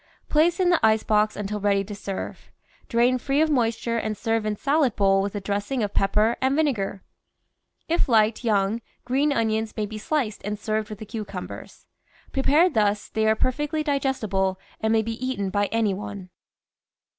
Place in the ice box until ready to serve. Drain free of moisture and serve in salad bowl with a dressing of pepper and vinegar. If liked young, green onions may be sliced and served with the cucumbers. Pre pared thus, they are perfectly digestible, and may be eaten by any one.